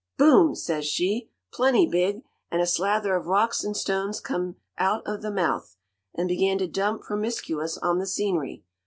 "'Boom!' says she, plenty big; and a slather of rocks and stones come out of the mouth, and began to dump down promiscuous on the scenery.